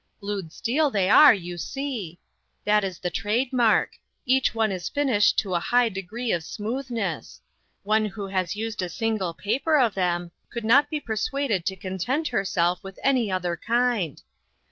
" Blued steel, they are, you see; that is the trade mark; each one is finished to a high degree of smoothness. One who has used a single paper of them could not be persuaded to content herself with any other kind.